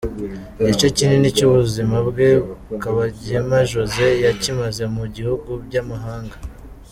Igice kinini cy’ubuzima bwe, Kabagema Josée yakimaze mu bihugu by’amahanga.